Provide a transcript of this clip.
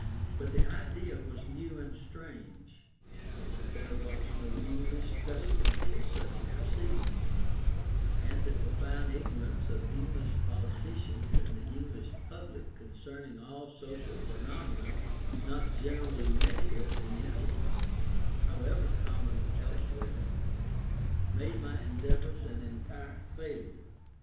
But the idea was new and strange; there was no English precedent for such a proceeding: and the profound ignorance of English politicians and the English public concerning all social phenomena not generally met with in England (however common elsewhere), made my endeavours an entire failure.